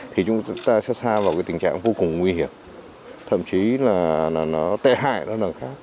thì chúng ta sẽ xa vào cái tình trạng vô cùng nguy hiểm thậm chí là nó tê hại nó là khác